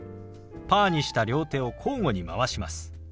パーにした両手を交互に回します。